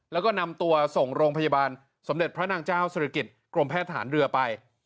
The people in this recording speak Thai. แล้วก็นำตัวส่งโรงพยาบาลสมเด็จพระนางเจ้าศิริกิจกรมแพทย์ฐานเรือไป